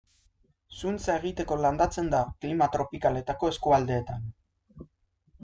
Zuntza egiteko landatzen da klima tropikaletako eskualdeetan.